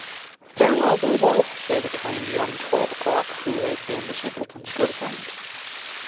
"Farewell, Bobo," said kind young Twelve O'Clock, who had been the simpleton's good friend.